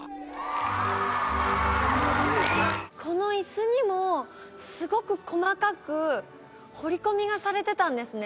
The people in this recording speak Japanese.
この椅子にもすごく細かく彫り込みがされてたんですね